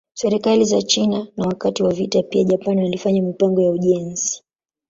Serikali za China na wakati wa vita pia Japan walifanya mipango ya ujenzi.